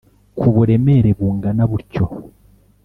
kuburemere bungana butyo